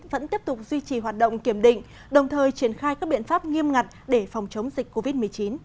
vẫn tiếp tục duy trì hoạt động kiểm định đồng thời triển khai các biện pháp nghiêm ngặt để phòng chống dịch covid một mươi chín